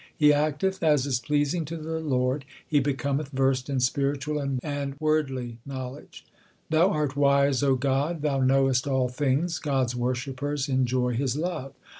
He acteth as is pleasing to the Lord ; he becometh versed in spiritual and wordly knowledge. Thou art wise, O God ; Thou knowest all things. God s worshippers enjoy His love.